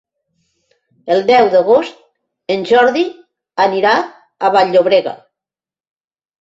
El deu d'agost en Jordi anirà a Vall-llobrega.